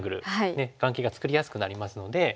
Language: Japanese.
ねえ眼形が作りやすくなりますので。